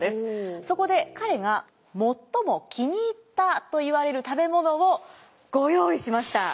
そこで彼が最も気に入ったといわれる食べ物をご用意しました。